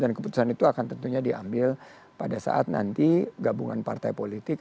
dan keputusan itu akan tentunya diambil pada saat nanti gabungan partai politik